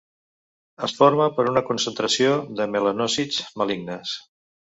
Es forma per una concentració de melanòcits malignes.